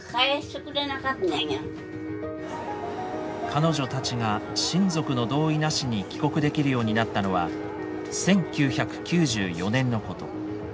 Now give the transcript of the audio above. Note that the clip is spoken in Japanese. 彼女たちが親族の同意なしに帰国できるようになったのは１９９４年のこと。